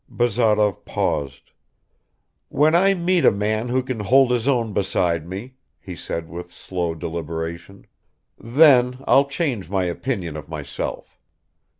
Bazarov paused. "When I meet a man who can hold his own beside me," he said with slow deliberation, "then I'll change my opinion of myself.